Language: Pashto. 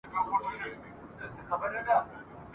اوس به څه کوو ملګرو په ایمان اعتبار نسته !.